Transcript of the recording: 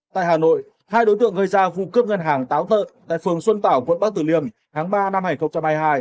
tại hà nội hai đối tượng gây ra vụ cướp ngân hàng táo tợn tại phường xuân tảo quận bắc tử liêm tháng ba năm hai nghìn hai mươi hai